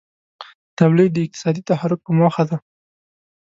تولید د اقتصادي تحرک په موخه دی.